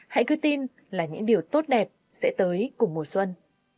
hãy cứ tin là những điều tốt đẹp sẽ tới cùng mùa xuân